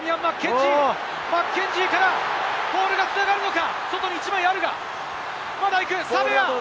マッケンジーからボールが繋がるのか？